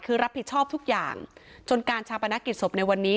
คือรับผิดชอบทุกอย่างจนการชาปนกิจศพในวันนี้